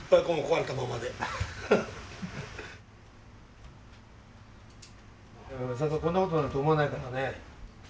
いやこんなことになると思わないからね。